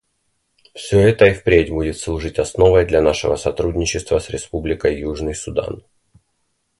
Все это и впредь будет служить основой для нашего сотрудничества с Республикой Южный Судан.